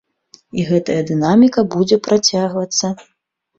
І гэтая дынаміка будзе працягвацца.